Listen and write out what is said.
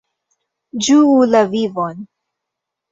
Ĝuu la vivon!